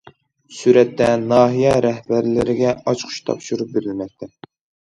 سۈرەتتە: ناھىيە رەھبەرلىرىگە ئاچقۇچ تاپشۇرۇپ بېرىلمەكتە.